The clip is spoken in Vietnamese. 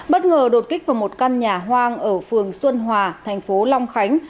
bất ngờ đột kích vào một căn nhà hoang ở phường xuân hòa thành phố long khánh